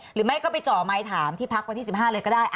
หรือไม่ก็ไปจ่อไมค์ถามที่พักวันที่๑๕เลยก็ได้